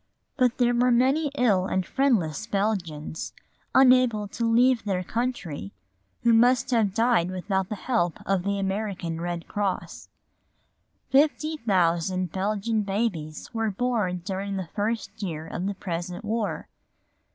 But there were many ill and friendless Belgians, unable to leave their country, who must have died without the help of the American Red Cross. Fifty thousand Belgian babies were born during the first year of the present war.